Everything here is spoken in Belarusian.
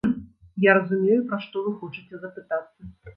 Я разумею, пра што вы хочаце запытацца.